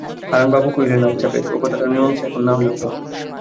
হারানবাবু কহিলেন, আচ্ছা বেশ, ও কথাটার মীমাংসা এখন না হলেও চলবে।